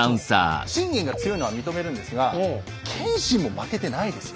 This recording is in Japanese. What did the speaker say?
信玄が強いのは認めるんですが謙信も負けてないですよ。